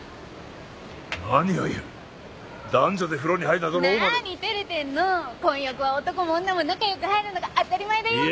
何を言う男女で風呂に入るなどローマではなーに照れてんのぉ混浴は男も女も仲良く入るのが当たり前だよいや